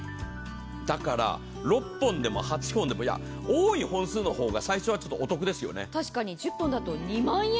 だから６本でも８本でも、いや、多い本数の方が最初はお得ですよね。